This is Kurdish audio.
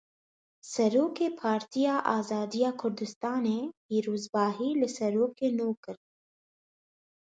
Serokê Partiya Azadiya Kurdistanê pîrozbahî li Serokê nû kir.